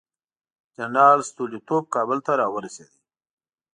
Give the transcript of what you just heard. جنرال ستولیتوف کابل ته راورسېد.